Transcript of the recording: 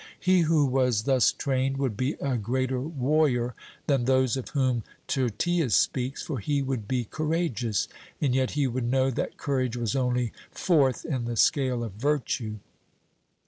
He who was thus trained would be a greater warrior than those of whom Tyrtaeus speaks, for he would be courageous, and yet he would know that courage was only fourth in the scale of virtue.